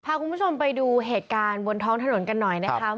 พาคุณผู้ชมไปดูเหตุการณ์บนท้องถนนกันหน่อยนะคะ